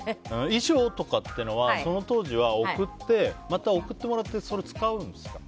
衣装とかは、その当時は送って、また送ってもらってそれを使うんですか？